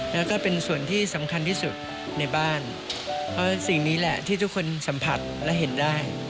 แล้วก็เป็นส่วนที่สำคัญที่สุดในบ้านเพราะสิ่งนี้แหละที่ทุกคนสัมผัสและเห็นได้